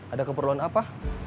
ada keperluan apa